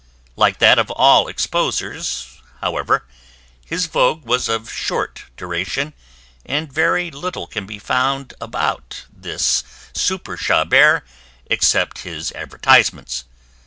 Like that of all exposers, however, his vogue was of short duration, and very little can be found about this super Chabert except his advertisements.